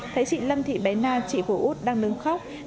thấy chị lâm thị bé na chị của út đang đứng khóc